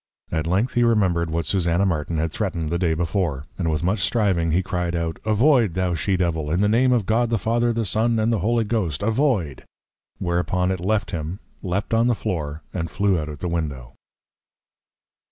At length he remembred what Susanna Martin had threatned the Day before; and with much striving he cried out, Avoid, thou She Devil! In the Name of God the Father, the Son, and the Holy Ghost, Avoid! Whereupon it left him, leap'd on the Floor, and flew out at the Window.